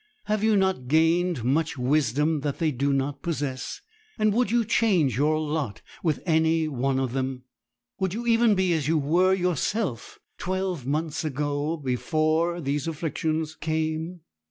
Have you not gained much wisdom that they do not possess? And would you change your lot with any one of them? Would you even be as you were yourself twelve months ago, before these afflictions came?